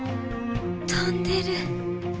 飛んでる。